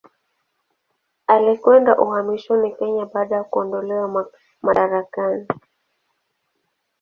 Alikwenda uhamishoni Kenya baada ya kuondolewa madarakani.